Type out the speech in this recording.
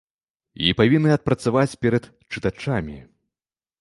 І павінны адпрацаваць перад чытачамі.